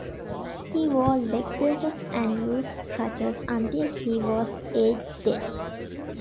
He wore leg braces and used crutches until he was aged ten.